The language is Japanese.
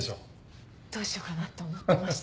どうしようかなと思ってました。